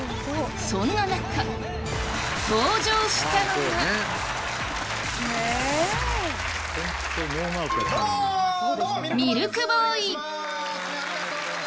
そんな中、登場したのがミルクボーイ！